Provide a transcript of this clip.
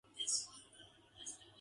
They live in Hope Valley Country Club.